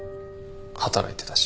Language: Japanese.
働いてたし。